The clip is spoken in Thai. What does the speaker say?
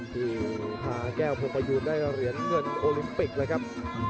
ที่พาแก้วพวงประยุทธ์ได้เหรียญเมืองโอลิมปิกเลยครับ